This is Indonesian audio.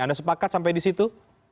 anda sepakat sampai di situ